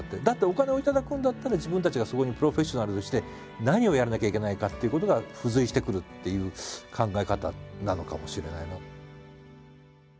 だってお金を頂くんだったら自分たちがそこにプロフェッショナルとして何をやらなきゃいけないかということが付随してくるっていう考え方なのかもしれないなと。